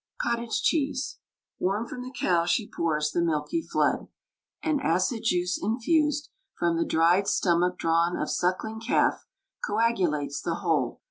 COTTAGE CHEESE. Warm from the cow she pours The milky flood. An acid juice infused, From the dried stomach drawn of suckling calf, Coagulates the whole.